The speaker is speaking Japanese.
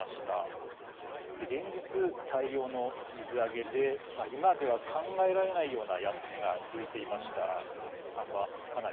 連日の大量水揚げで今では考えられないような安値が続いていました。